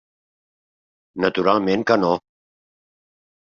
Naturalment que no!